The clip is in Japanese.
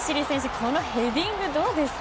このヘディング、どうですか。